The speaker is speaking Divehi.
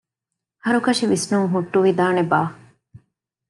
ހަރުކަށި ވިސްނުން ހުއްޓުވިދާނެބާ؟